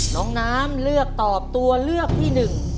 น้องน้ำเลือกตอบตัวเลือกที่หนึ่ง